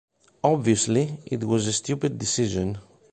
Obviously, it was a stupid decision.